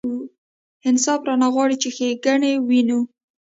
انصاف رانه غواړي چې ښېګڼې وینو.